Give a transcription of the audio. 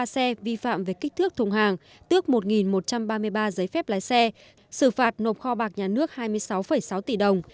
một trăm chín mươi ba xe vi phạm về kích thước thùng hàng tước một một trăm ba mươi ba giấy phép lái xe xử phạt nộp kho bạc nhà nước hai mươi sáu sáu tỷ đồng